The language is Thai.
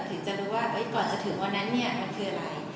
ถึงจะรู้ว่าก่อนจะถึงวันนั้นเนี่ยมันคืออะไร